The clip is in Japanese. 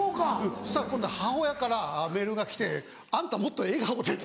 そしたら今度母親からメールが来て「あんたもっと笑顔で」